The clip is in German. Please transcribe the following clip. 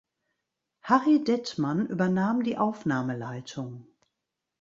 Harry Dettmann übernahm die Aufnahmeleitung.